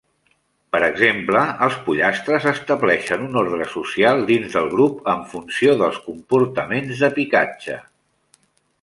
Per exemple, els pollastres estableixen un ordre social dins del grup en funció dels comportaments de picatge.